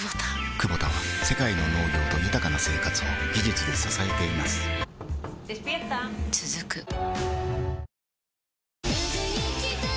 クボタは世界の農業と豊かな生活を技術で支えています起きて。